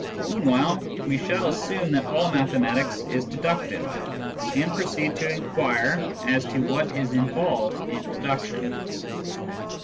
Mean while, we shall assume that all mathematics is deductive, and proceed to inquire as to what is involved in deduction.